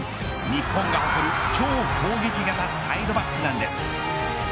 日本が誇る超攻撃型サイドバックなんです。